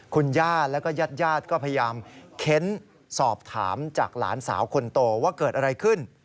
คุณย่าแล้วก็ญาติก็พยายามเค้นสอบถามจากหลานสาวคนโตว่าเกิดอะไรขึ้น